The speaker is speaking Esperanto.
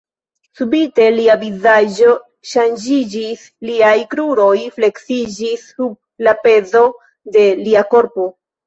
Subite lia vizaĝo ŝanĝiĝis; liaj kruroj fleksiĝis sub la pezo de lia korpo.